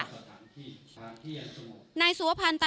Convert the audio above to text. ยกวงภาพวัคพธนธรรมดารวมสามพระหยาครับ